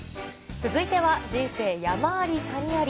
続いては、人生山あり、谷あり。